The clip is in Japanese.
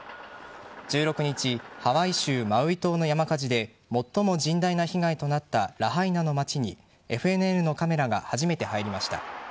１６日ハワイ州マウイ島の山火事で最も甚大な被害となったラハイナの町にＦＮＮのカメラが初めて入りました。